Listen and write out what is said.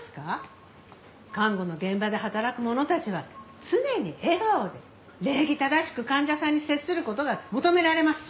看護の現場で働く者たちは常に笑顔で礼儀正しく患者さんに接する事が求められます。